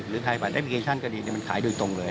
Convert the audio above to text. ใครผ่านแอปพลิเคชันก็ดีมันขายโดยตรงเลย